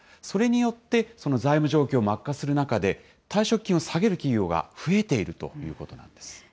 それによって、財務状況も悪化する中で、退職金を下げる企業が増えているということなんです。